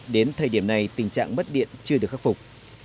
đến thời điểm này tình trạng mất điện chưa được khắc phục